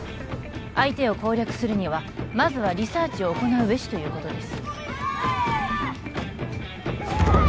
相手を攻略するにはまずはリサーチを行うべしということです